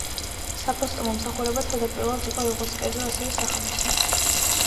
საფოსტო მომსახურება თავდაპირველად იყო როგორც კერძო, ასევე სახალხო.